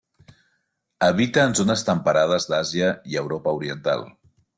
Habita en zones temperades d'Àsia i Europa oriental.